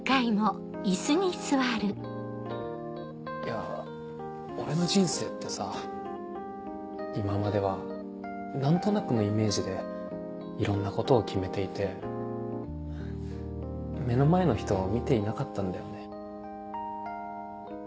いや俺の人生ってさ今までは何となくのイメージでいろんなことを決めていて目の前の人を見ていなかったんだよね。